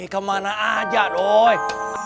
kemana aja doy